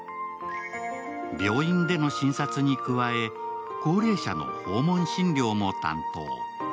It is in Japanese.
病院での診察に加え、高齢者の訪問診療も担当。